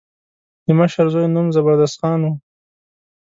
د مشر زوی نوم زبردست خان و.